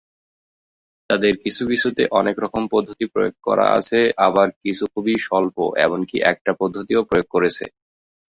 তাদের কিছু কিছুতে অনেক রকম পদ্ধতি প্রয়োগ করা আছে, আবার কিছু খুবই স্বল্প, এমনকি একটা পদ্ধতিও প্রয়োগ করেছে।